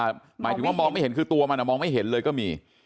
หมายถึงว่ามองไม่เห็นคือตัวมันมองไม่เห็นเลยก็มี